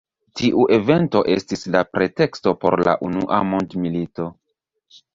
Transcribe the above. Tiu evento estis la preteksto por la Unua mondmilito.